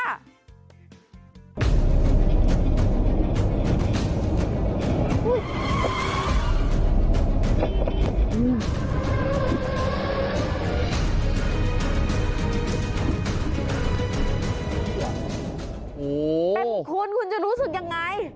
เป็นคุณคุณจะรู้สึกยังไง